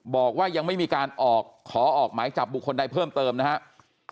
บอกว่ายังไม่มีการออกขอออกหมายจับบุคคลใดเพิ่มเติมนะครับ